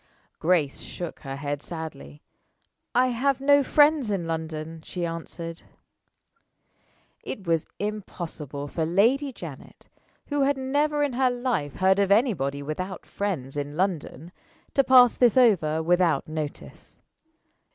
Grace shook her head sadly. "I have no friends in London," she answered. It was impossible for Lady Janet who had never in her life heard of anybody without friends in London to pass this over without notice.